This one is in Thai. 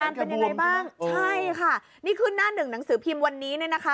เป็นยังไงบ้างใช่ค่ะนี่ขึ้นหน้าหนึ่งหนังสือพิมพ์วันนี้เนี่ยนะคะ